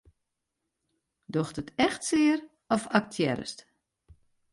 Docht it echt sear of aktearrest?